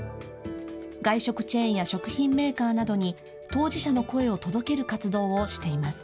外食チェーンや食品メーカーなどに、当事者の声を届ける活動をしています。